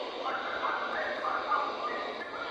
o قاسم یار مین پر داسي جانانه دی,